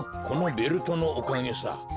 このベルトのおかげさ。